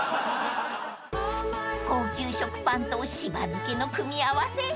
［高級食パンとしば漬けの組み合わせ］